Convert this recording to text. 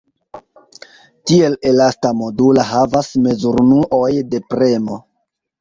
Tiel elasta modula havas mezurunuoj de premo.